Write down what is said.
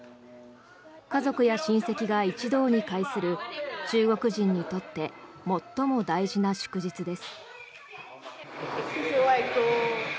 家族や親戚が一堂に会する中国人にとって最も大事な祝日です。